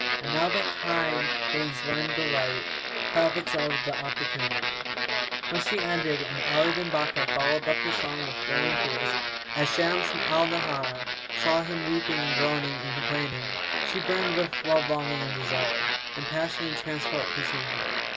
And now that Time deigns lend delight * Profit of th' opportunity." When she ended, Ali bin Bakkar followed up her song with flowing tears; and, as Shams al Nahar saw him weeping and groaning and complaining, she burned with love longing and desire; and passion and transport consumed her.